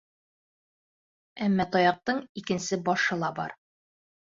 Әммә таяҡтың икенсе башы ла бар.